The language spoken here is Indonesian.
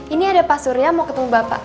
ini ada pak surya mau ketemu bapak